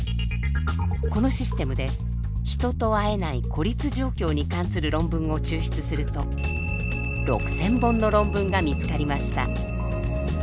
このシステムで人と会えない孤立状況に関する論文を抽出すると６，０００本の論文が見つかりました。